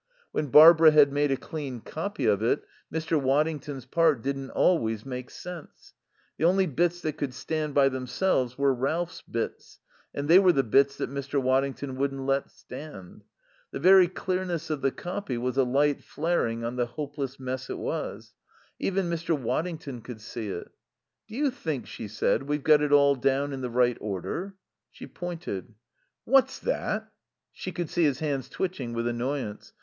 When Barbara had made a clean copy of it Mr. Waddington's part didn't always make sense. The only bits that could stand by themselves were Ralph's bits, and they were the bits that Mr. Waddington wouldn't let stand. The very clearness of the copy was a light flaring on the hopeless mess it was. Even Mr. Waddington could see it. "Do you think," she said, "we've got it all down in the right order?" She pointed. "What's that?" She could see his hands twitching with annoyance.